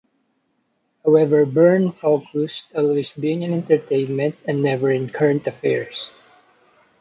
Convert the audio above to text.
However Byrne focused always being in entertainment and never in current affairs.